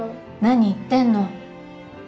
何言ってんの！